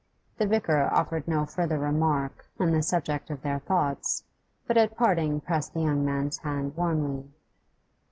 The vicar offered no further remark on the subject of their thoughts, but at parting pressed the young man's hand warmly.